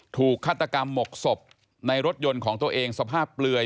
ฆาตกรรมหมกศพในรถยนต์ของตัวเองสภาพเปลือย